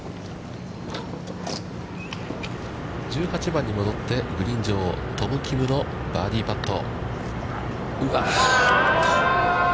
１８番に戻って、グリーン上、トム・キムのバーディーパット。